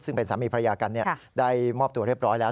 ซึ่งเป็นสามีภรรยากันได้มอบตัวเรียบร้อยแล้ว